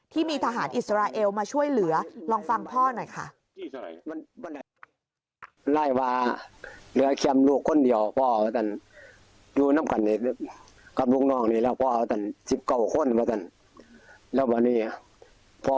ที่มีทหารอิสราเอลมาช่วยเหลือลองฟังพ่อหน่อยค่ะ